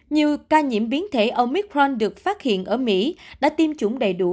nhiều ca nhiễm biến thể omicron được phát hiện ở mỹ đã tiêm chủng đầy đủ